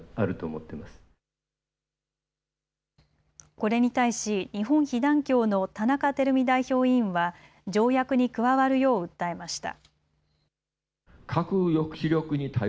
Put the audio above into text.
これに対し日本被団協の田中煕巳代表委員は条約に加わるよう訴えました。